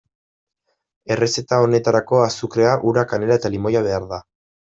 Errezeta honetarako azukrea, ura, kanela eta limoia behar da.